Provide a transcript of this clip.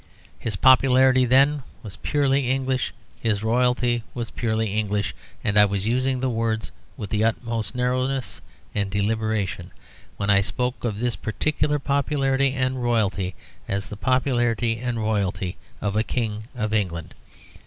His popularity then was purely English; his royalty was purely English; and I was using the words with the utmost narrowness and deliberation when I spoke of this particular popularity and royalty as the popularity and royalty of a King of England.